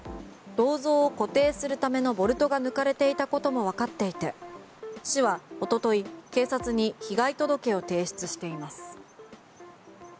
銅像を固定するためのボルトが抜かれていたこともわかっていて市は一昨日警察に被害届を提出しています。